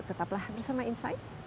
tetaplah bersama insight